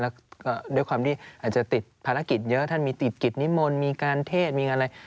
แล้วก็ด้วยความที่อาจจะติดภารกิจเยอะท่านมีติดกิจนิมนต์มีการเทศมีงานอะไร